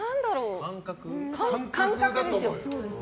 感覚ですよ。